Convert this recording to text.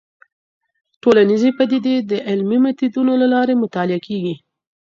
ټولنيزې پديدې د علمي ميتودونو له لارې مطالعه کيږي.